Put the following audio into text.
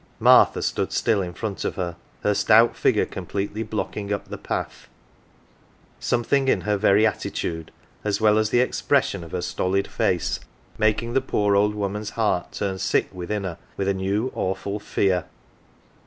Martha stood still in front of her, her stout figure com pletely blocking up the path ; something in her very attitude, as well as the expression of her stolid face, 161 L AUNT JINNY making the poor old woman's heart turn sick within her with a new, awful fear.